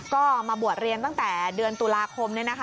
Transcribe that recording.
ก็มาบวชเรียนตั้งแต่เดือนตุลาคม